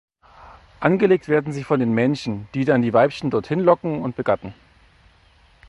Angelegt werden sie von den Männchen, die dann die Weibchen dorthin locken und begatten.